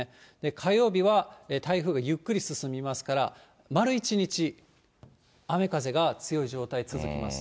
火曜日は台風がゆっくり進みますから、丸１日、雨風が強い状態続きます。